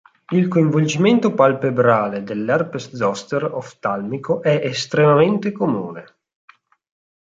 Il coinvolgimento palpebrale nell'herpes zoster oftalmico è estremamente comune.